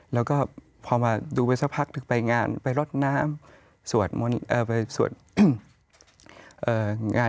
แล้วก็พอมาดูไปสักพักถึงไปงานไปรดน้ำ